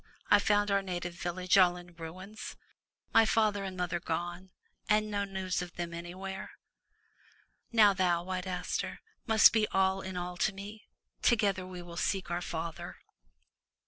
I found our native village all in ruins, my father and mother gone, and no news of them anywhere. Now thou. White Aster, must be all in all to me. Together we will seek our father."